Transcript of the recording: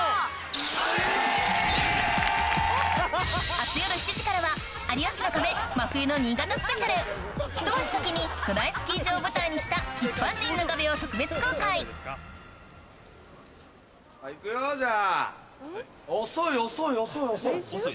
明日夜７時からはひと足先に巨大スキー場を舞台にした一般人の壁を特別公開遅い遅い遅い。